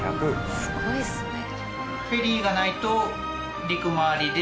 すごいですね。